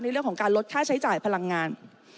เรื่องของการลดค่าใช้จ่ายพลังงาน